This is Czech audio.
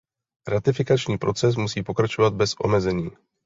Ratifikační proces musí pokračovat bez omezení.